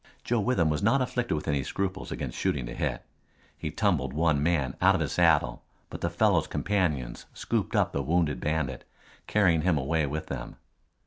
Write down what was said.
Joe Withem was not afflicted with any scruples against shooting to hit. He tumbled one man out of his saddle, but the fellow's companions scooped up the wounded bandit, carrying him away with them.